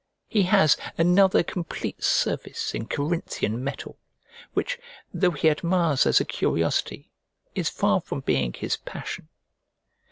He has another complete service in Corinthian metal, which, though he admires as a curiosity, is far from being his passion.